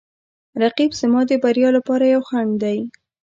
رقیب زما د بریا لپاره یو خنډ دی